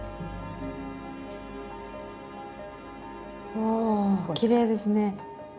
おきれいですね。